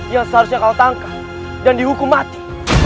yang seharusnya kau tangkap dan dihukum mati